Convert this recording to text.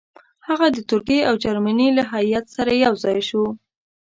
هغه د ترکیې او جرمني له هیات سره یو ځای شو.